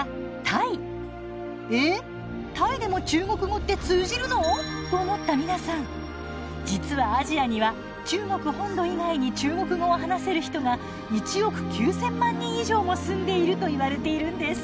タイでも中国語って通じるの⁉と思った皆さん実はアジアには中国本土以外に中国語を話せる人が１億９，０００万人以上も住んでいるといわれているんです。